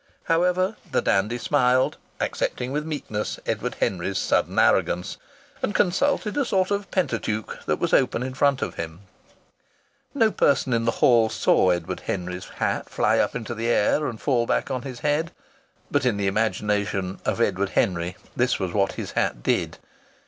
However, the dandy smiled, accepting with meekness Edward Henry's sudden arrogance, and consulted a sort of pentateuch that was open in front of him. No person in the hall saw Edward Henry's hat fly up into the air and fall back on his head. But in the imagination of Edward Henry this was what his hat did.